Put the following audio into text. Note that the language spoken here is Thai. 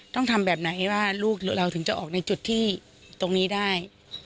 ต้องทำแบบไหนว่าลูกเราถึงจะออกในจุดที่ตรงนี้ได้